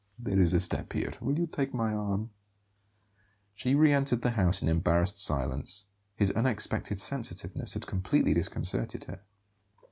There is a step here; will you take my arm?" She re entered the house in embarrassed silence; his unexpected sensitiveness had completely disconcerted her.